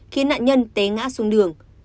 khiến nạn nhân té ngã xuống đường